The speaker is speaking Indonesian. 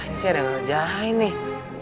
wah ini sih ada yang ngejahain nih